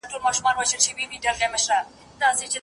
هم خوښي او هم غمونه په ژوندون کي سي راتللای